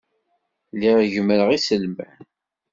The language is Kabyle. Lliɣ gemmreɣ iselman.